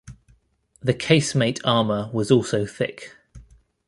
The casemate armour was also thick.